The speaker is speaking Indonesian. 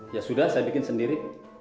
ya sudah saya bikin sendiri